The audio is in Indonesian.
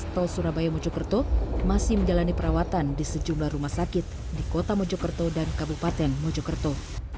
tol surabaya mojokerto masih menjalani perawatan di sejumlah rumah sakit di kota mojokerto dan kabupaten mojokerto